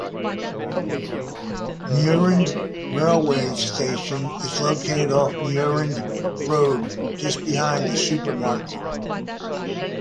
Muirend railway station is located off Muirend Road, just behind the supermarket.